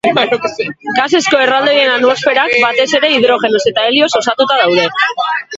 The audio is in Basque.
Gasezko erraldoien atmosferak batez ere hidrogenoz eta helioz osatuta daude.